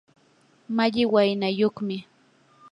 malli waynayuqmi.